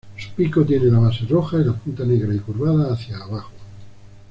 Su pico tiene la base roja y la punta negra y curvada hacia abajo.